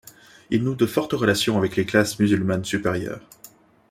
Il noue de fortes relations avec les classes musulmanes supérieures.